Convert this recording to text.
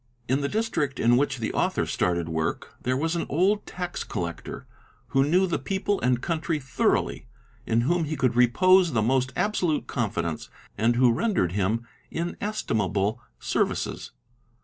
In the district in which the author started work, there was an old tax collector who knew the people and country thoroughly, in whom he could repose the most absolute confidence, and who rendered him inestimable services.